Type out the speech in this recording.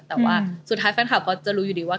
แต่ว่าสุดท้ายแฟนคลับก็จะรู้อยู่ดีว่า